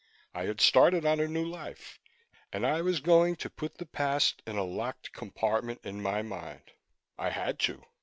I had started on a new life, and I was going to put the past in a locked compartment in my mind. I had to!